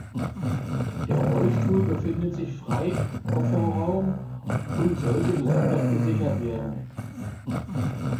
Der Rollstuhl befindet sich frei Kofferraum und sollte gesondert gesichert werden.